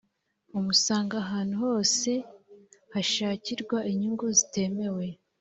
umusanga hantu hose hashakirwa inyungu zitemewe